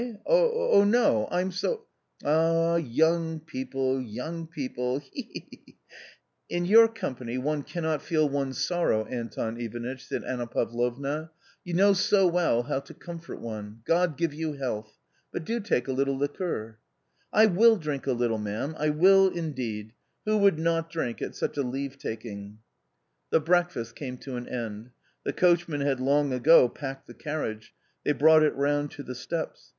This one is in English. " I ?— oh, no. I'm so "" Ah, young people, young people — he ! he ! he !"" In your company one cannot feel one's sorrow, Anton Ivanitch," said Anna Pavlovna, " you know so well how to comfort one. God give you health ! But do take a little liqueur." " I will drink a little, ma'am, I will indeed ; who would not drink at such a leave taking !" The breakfast came to an end. The coachman had long ago packed the carriage. They brought it round to the steps.